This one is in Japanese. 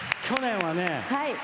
去年はね